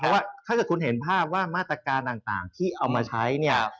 เพราะว่าถ้าเกิดคุณเห็นภาพว่ามาตรการต่างที่เอามาใช้เนี่ย